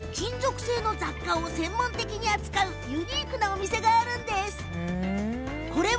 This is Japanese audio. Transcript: ここには金属製の雑貨を専門的に扱うユニークなお店があるというんですが。